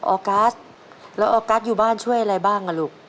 ออกัสแล้วออกัสอยู่บ้านช่วยอะไรบ้างอ่ะลูก